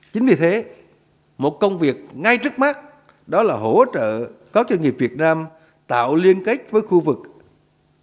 chính vì thế một công việc ngay trước mắt đó là hỗ trợ các doanh nghiệp việt nam tạo liên kết với khu vực